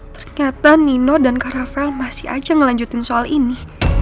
ternyata nino dan karamel masih aja ngelanjutin soal ini